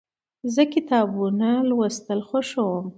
زه کتابونه لوستل خوښوم.